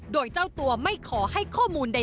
โดยเจ้าตัวไม่ขอให้ข้อมูลใด